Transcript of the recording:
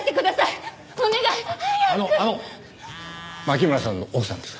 あのあの牧村さんの奥さんですか？